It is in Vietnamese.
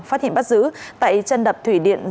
phát hiện bắt giữ tại chân đập thủy điện